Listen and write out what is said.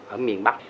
ở miền bắc